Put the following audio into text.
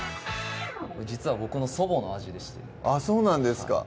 実は僕の祖母の味でしてあっそうなんですか？